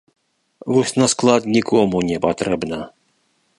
Вось на склад нікому не патрэбна!